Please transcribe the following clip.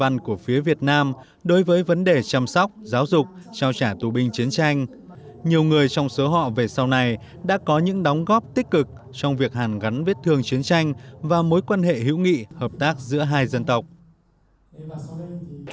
nhiều người trong số họ về sau này đã có những đóng góp tích cực trong việc hàn gắn vết thương chiến tranh và mối quan hệ hữu nghị hợp tác giữa hai dân tộc